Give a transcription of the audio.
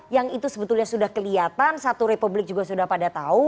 yang itu sebetulnya sudah kelihatan satu republik juga sudah pada tahu